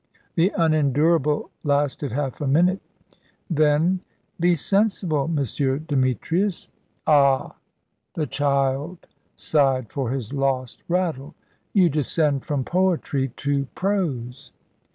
The unendurable lasted half a minute; then, "Be sensible, M. Demetrius." "Ah!" the child sighed for his lost rattle; "you descend from poetry to prose."